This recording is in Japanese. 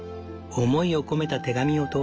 思いを込めた手紙を投かん。